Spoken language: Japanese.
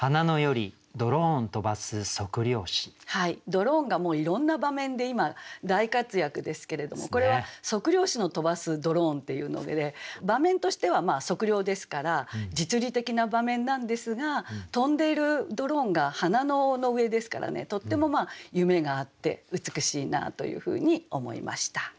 ドローンがもういろんな場面で今大活躍ですけれどもこれは測量士の飛ばすドローンっていうので場面としては測量ですから実利的な場面なんですが飛んでいるドローンが花野の上ですからねとっても夢があって美しいなというふうに思いました。